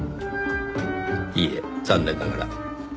いいえ残念ながら。